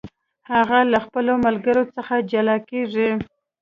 هغه له خپلو ملګرو څخه جلا کیږي.